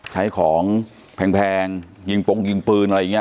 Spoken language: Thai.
ใช้ของแพงหญิงปรงหญิงปืนอะไรอี่นะ